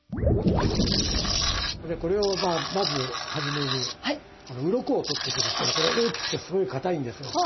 これをまず初めにウロコを取っていくんですけどこれ大きくてすごいかたいんですよ。